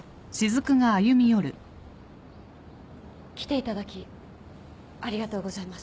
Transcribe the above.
来ていただきありがとうございます。